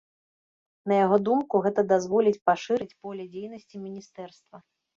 На яго думку, гэта дазволіць пашырыць поле дзейнасці міністэрства.